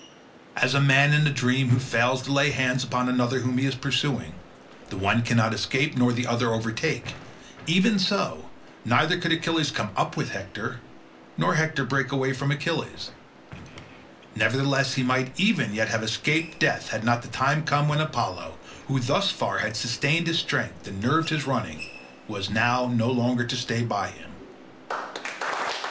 As a man in a dream who fails to lay hands upon another whom he is pursuing—the one cannot escape nor the other overtake—even so neither could Achilles come up with Hector, nor Hector break away from Achilles; nevertheless he might even yet have escaped death had not the time come when Apollo, who thus far had sustained his strength and nerved his running, was now no longer to stay by him.